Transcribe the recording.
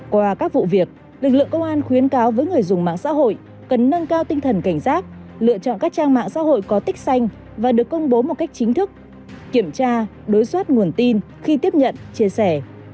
qua các vụ việc lực lượng công an khuyến cáo với người dùng mạng xã hội cần nâng cao tinh thần cảnh giác lựa chọn các trang mạng xã hội có tích xanh và được công bố một cách chính thức kiểm tra đối soát nguồn tin khi tiếp nhận chia sẻ